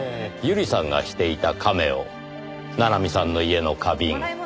百合さんがしていたカメオ七海さんの家の花瓶。